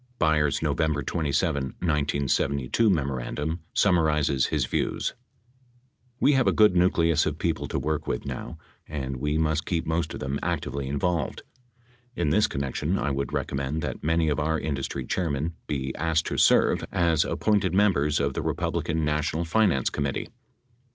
Byers' November 27, 1972, memorandum summa rizes his views : We have a good nucleus of people to work with now and we must keep most of them actively involved. In this connection, I would recommend that many of our industry chairmen be asked to serve as appointed members of the Republican Na tional Finance Committee.